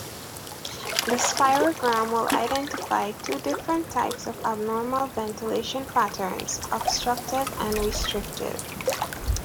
The spirogram will identify two different types of abnormal ventilation patterns, obstructive and restrictive.